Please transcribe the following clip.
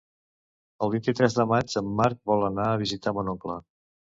El vint-i-tres de maig en Marc vol anar a visitar mon oncle.